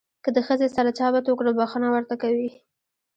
که د ښځې سره چا بد وکړل بښنه ورته کوي.